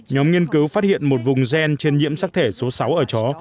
nhóm nghiên cứu phát hiện một vùng gen trên nhiễm sắc thể số sáu ở chó